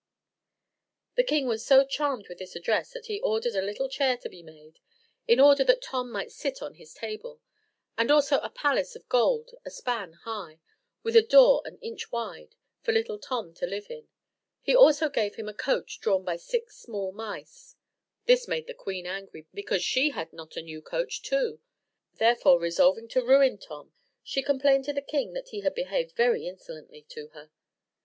The king was so charmed with this address, that he ordered a little chair to be made, in order that Tom might sit on his table, and also a palace of gold a span high, with a door an inch wide, for little Tom to live in. He also gave him a coach drawn by six small mice, This made the queen angry, because she had not a new coach too: therefore, resolving to ruin Tom, she complained to the king that he had behaved very insolently to her.